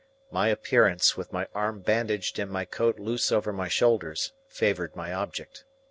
My appearance, with my arm bandaged and my coat loose over my shoulders, favoured my object.